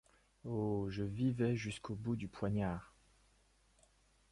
Oh ! je vivais jusqu’au bout du poignard !